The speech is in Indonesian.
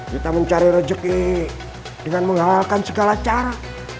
kita mencari rezeki dengan menghalalkan segala cara